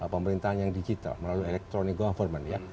pemerintahan yang digital melalui electronic government ya